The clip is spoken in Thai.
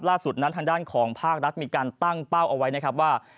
ล่าสุดนั้นทางด้านของภาครัฐมีการตั้งเป้าเอาไว้นะครับว่า